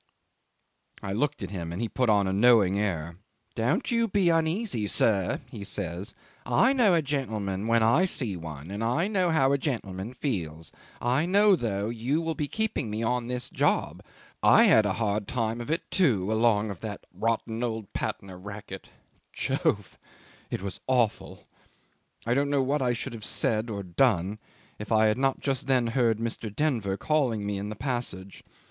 I looked at him, and he put on a knowing air. 'Don't you be uneasy, sir,' he says. 'I know a gentleman when I see one, and I know how a gentleman feels. I hope, though, you will be keeping me on this job. I had a hard time of it too, along of that rotten old Patna racket.' Jove! It was awful. I don't know what I should have said or done if I had not just then heard Mr. Denver calling me in the passage.